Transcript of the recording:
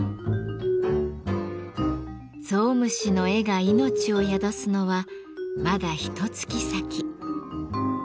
ゾウムシの絵が命を宿すのはまだひとつき先。